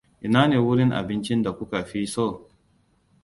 Inane gurin abincin da kuka fi so?